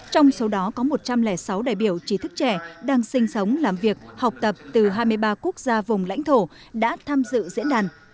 trong số đó có một trăm linh sáu đại biểu trí thức trẻ đang sinh sống làm việc học tập từ hai mươi ba quốc gia vùng lãnh thổ đã tham dự diễn đàn